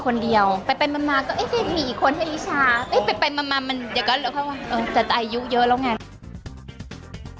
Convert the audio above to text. คนเดียวไปมามีอีกคนให้นิชาไปมามันจะเกิดอายุเยอะแล้ว